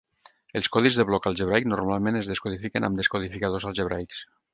Els codis de bloc algebraic normalment es descodifiquen amb descodificadors algebraics.